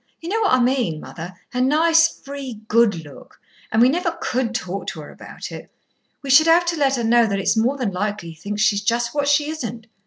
You know what I mean, mother, her nice, free, good look. And we never could talk to her about it. We should have to let her know that it's more than likely he thinks she's just what she isn't.